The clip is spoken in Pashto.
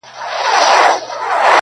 خالقه د آسمان په کناره کي سره ناست وو,